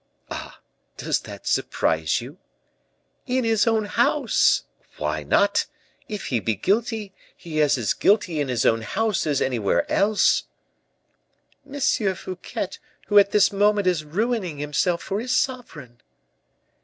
"Ah! does that surprise you?" "In his own house!" "Why not? If he be guilty, he is as guilty in his own house as anywhere else." "M. Fouquet, who at this moment is ruining himself for his sovereign."